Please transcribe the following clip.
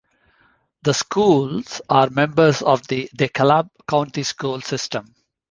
The schools are members of the DeKalb County School System.